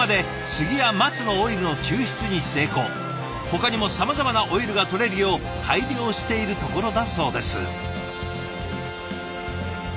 ほかにもさまざまなオイルがとれるよう改良しているところだそうです。